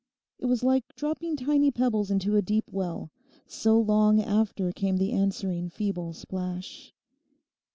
It was like dropping tiny pebbles into a deep well—so long after came the answering feeble splash.